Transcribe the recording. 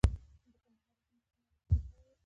د ګندهارا هنر په نړۍ کې بې ساري دی